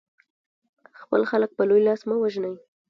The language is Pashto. خپل خلک په لوی لاس مه وژنئ.